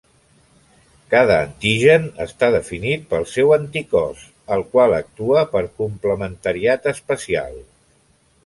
Cada antigen està definit pel seu anticòs, el qual actua per complementarietat espacial.